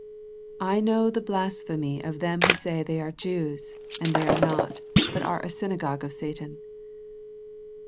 " I know the blasphemy of them which say they are Jews and they are not, but are a synagogue of Satan."